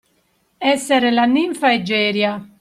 Essere la ninfa Egeria.